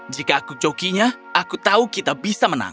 jika aku jokinya aku tahu kita bisa menang